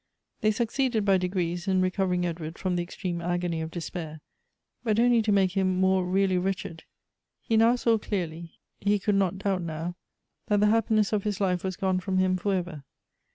They succeeded by degrees in recovering Edward from the extreme agony of despair ; but only to make him moi e really wretched. He now saw clearly, he could not doubt now, that the happiness of his life was gone from him for ever.